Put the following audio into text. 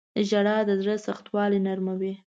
• ژړا د زړه سختوالی نرموي.